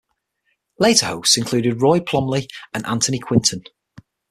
Later hosts included Roy Plomley and Anthony Quinton.